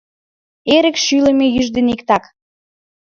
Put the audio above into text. Эрык — шӱлымӧ юж дене иктак.